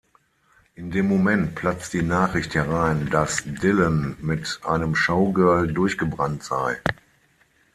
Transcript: In dem Moment platzt die Nachricht herein, dass Dillon mit einem Showgirl durchgebrannt sei.